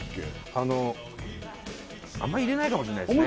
あのあんま入れないかもしんないですね